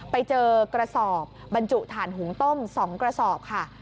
ไปเจอกระสอบบรรจุฐานหุงต้ม๒กระสอบค่ะ